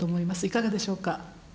いかがでしょうか。